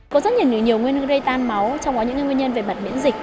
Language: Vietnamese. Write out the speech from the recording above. có rất nhiều nguyên nguyên nguyên tan máu trong đó những nguyên nhân về mặt miễn dịch